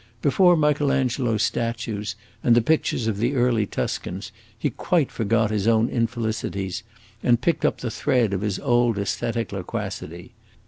Before Michael Angelo's statues and the pictures of the early Tuscans, he quite forgot his own infelicities, and picked up the thread of his old aesthetic loquacity.